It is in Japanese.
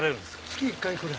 月１回来る。